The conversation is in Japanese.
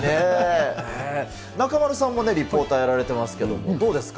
中丸さんもリポーターやられてますけど、どうですか？